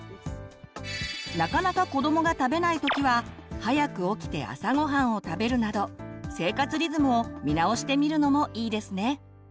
なかなか子どもが食べない時は早く起きて朝ごはんを食べるなど生活リズムを見直してみるのもいいですね。